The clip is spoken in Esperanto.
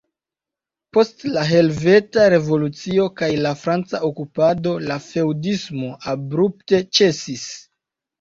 Post la helveta revolucio kaj la franca okupado la feŭdismo abrupte ĉesis.